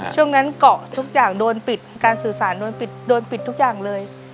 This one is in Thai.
ช่วงนั้นเกาะทุกอย่างโดนปิดการสื่อสารโดนปิดโดนปิดทุกอย่างเลย